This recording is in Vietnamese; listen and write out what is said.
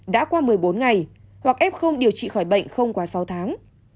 đã qua một mươi bốn ngày hoặc f điều trị khỏi bệnh không qua sáu tháng